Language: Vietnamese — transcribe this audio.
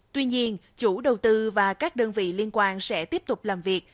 tuy nhiên chủ đầu tư và các đơn vị liên quan sẽ tiếp tục làm việc